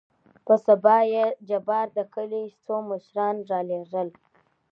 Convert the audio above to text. په سبا يې جبار دکلي څو مشران رالېږل.